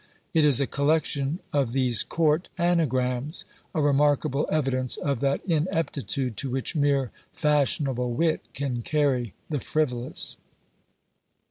It is a collection of these court anagrams; a remarkable evidence of that ineptitude to which mere fashionable wit can carry the frivolous.